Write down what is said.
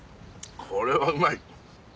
これはうまい！